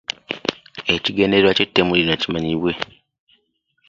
Ekigendererwa ky'ettemu lino kimanyibwe